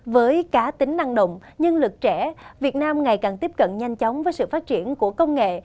với cá tính năng động nhân lực trẻ việt nam ngày càng tiếp cận nhanh chóng với sự phát triển của công nghệ